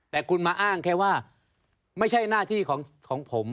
แต่คุณมาอ้างแค่ว่าไม่ใช่หน้าที่ของผม